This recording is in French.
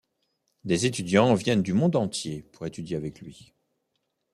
Des étudiants viennent du monde entier pour étudier avec lui.